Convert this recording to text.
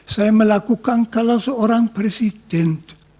saya melakukan kalau seorang presiden